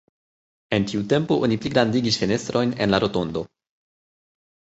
En tiu tempo oni pligrandigis fenestrojn en la rotondo.